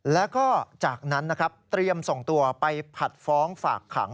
แล้วก็จากนั้นนะครับเตรียมส่งตัวไปผัดฟ้องฝากขัง